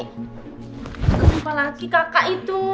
aku lupa lagi kakak itu